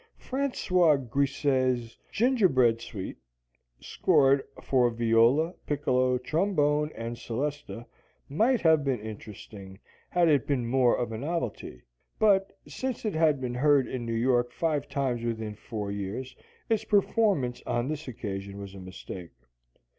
François Grisé's "Gingerbread Suite," scored for viola, piccolo, trombone, and celesta, might have been interesting had it been more of a novelty; but, since it had been heard in New York five times within four years, its performance on this occasion was a mistake.